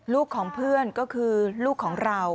ลูกของเพื่อนก็คือลูกของเรา